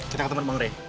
kita ketemuan bang ray